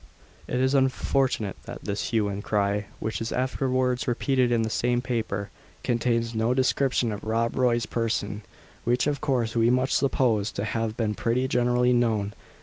It is unfortunate that this Hue and Cry, which is afterwards repeated in the same paper, contains no description of Rob Roy's person, which, of course, we must suppose to have been pretty generally known.